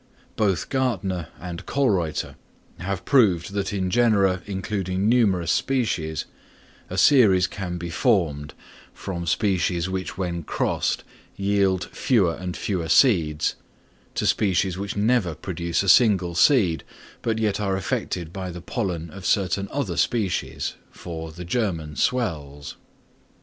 Both Gärtner and Kölreuter have proved that in genera including numerous species, a series can be formed from species which when crossed yield fewer and fewer seeds, to species which never produce a single seed, but yet are affected by the pollen of certain other species, for the germen swells.